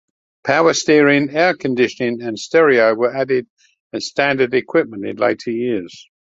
Power steering, air-conditioning, and stereo were added as standard equipment in later years.